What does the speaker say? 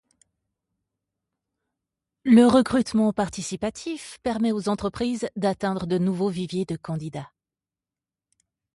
Le recrutement participatif permet aux entreprises d’atteindre de nouveaux viviers de candidats.